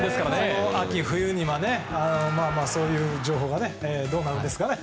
この秋冬にはそういう情報がどうなるんですかね。